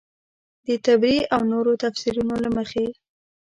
د طبري او نورو تفیسیرونو له مخې.